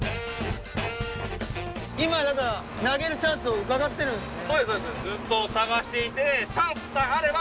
今だから投げるチャンスをうかがってるんですね。